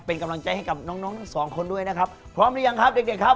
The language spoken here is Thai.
เป็นกำลังใจให้กับน้องน้องทั้งสองคนด้วยนะครับพร้อมหรือยังครับเด็กเด็กครับ